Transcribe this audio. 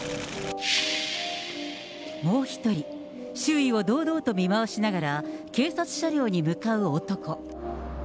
もう１人、周囲を堂々と見回しながら、警察車両に向かう男。